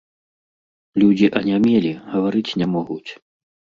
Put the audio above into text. Людзі анямелі, гаварыць не могуць.